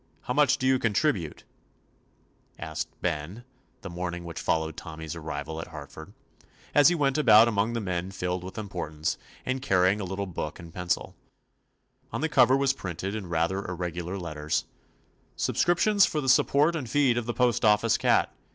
How much do you contribute *?" asked Ben, the morning which fol lowed Tommy's arrival at Hartford, as he went about among the men filled with importance, and carrying a little 39 THE ADVENTURES OF book and pencil. On the cover was printed in rather irregular letters: "Subscriptions for the support and feed of the Postoffice Cat.